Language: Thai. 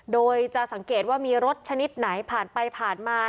โดยจะสังเกตว่ามีรถชนิดไหนผ่านไปผ่านมา